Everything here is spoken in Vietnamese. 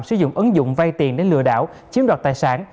sử dụng ứng dụng vay tiền để lừa đảo chiếm đoạt tài sản